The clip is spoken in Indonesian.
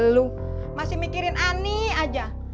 lu masih mikirin ani aja